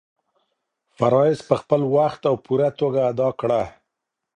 فرایض په خپل وخت او پوره توګه ادا کړه.